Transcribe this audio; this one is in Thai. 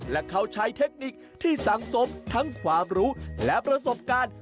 และเขาใช้เทคนิคที่สังสมทั้งความรู้และประสบการณ์